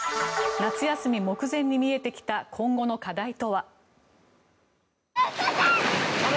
夏休み目前に見えてきた今後の課題とは。